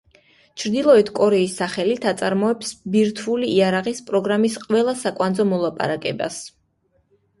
ჩრდილოეთ კორეის სახელით აწარმოებს ბირთვული იარაღის პროგრამის ყველა საკვანძო მოლაპარაკებას.